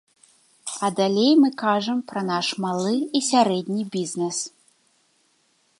А далей мы кажам пра наш малы і сярэдні бізнэс.